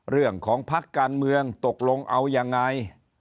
เรื่องของภักดิ์การเมืองตกลงเอายังไง